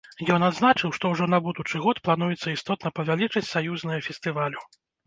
Ён адзначыў, што ўжо на будучы год плануецца істотна павялічыць саюзнае фестывалю.